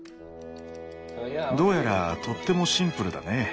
どうやらとってもシンプルだね。